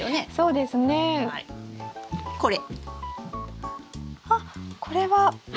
あっこれは鉢皿。